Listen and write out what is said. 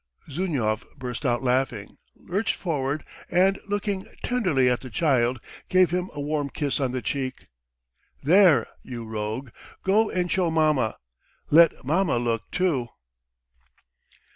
Zhmyhov burst out laughing, lurched forward, and, looking tenderly at the child, gave him a warm kiss on the cheek. "There, you rogue, go and show mamma; let mamma look too."